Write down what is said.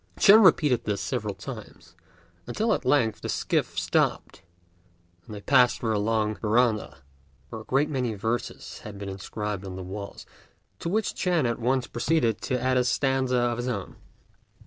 Ch'ên repeated this over several times, until at length the skiff stopped, and they passed through a long verandah, where a great many verses had been inscribed on the walls, to which Ch'ên at once proceeded to add a stanza of his own.